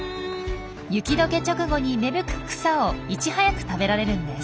雪どけ直後に芽吹く草をいち早く食べられるんです。